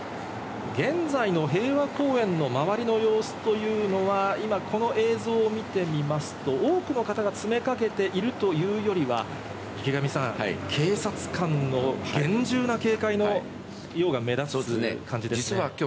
現在の平和公園の周りの様子というのは、この映像を見てみますと、多くの方が詰めかけているというよりは、池上さん、警察官の厳重な警戒が目立つ感じですね。